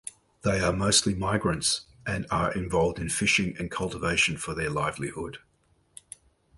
They are mostly migrants and are involved in fishing and cultivation for their livelihood.